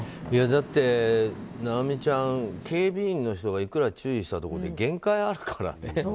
だって、尚美ちゃん警備員の人がいくら注意したところで限界あるからね。